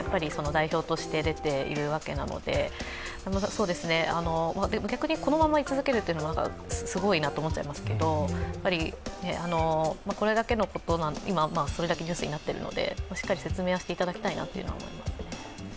代表として出ているわけですので、逆にこのまま、い続けるというのはすごいなと思っちゃいますが、これだけのこと、それだけニュースになっているので、しっかり説明はしていただきたいなと思いますね。